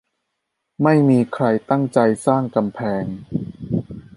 ไม่มีใครตั้งใจสร้างกำแพง